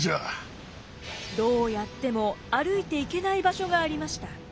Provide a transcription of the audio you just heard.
どうやっても歩いていけない場所がありました。